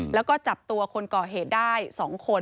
แล้วก็จับตัวคนก่อเหตุได้๒คน